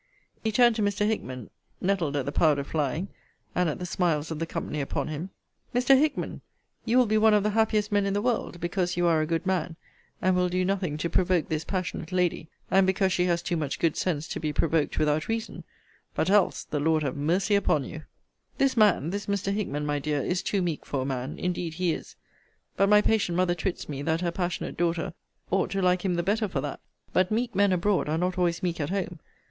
He turned to Mr. Hickman, nettled at the powder flying, and at the smiles of the company upon him; Mr. Hickman, you will be one of the happiest men in the world, because you are a good man, and will do nothing to provoke this passionate lady; and because she has too much good sense to be provoked without reason: but else the Lord have mercy upon you! This man, this Mr. Hickman, my dear, is too meek for a man. Indeed he is. But my patient mother twits me, that her passionate daughter ought to like him the better for that. But meek men abroad are not always meek at home.